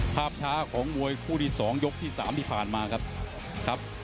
ภาพชาของมวยขู้ที่สองยกที่สามที่ผ่านมาครับครับ